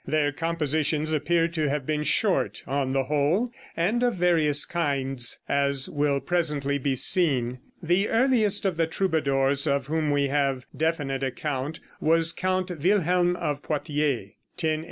Their compositions appear to have been short, on the whole, and of various kinds, as will presently be seen. The earliest of the troubadours of whom we have definite account was Count Wilhelm of Poitiers, 1087 1127.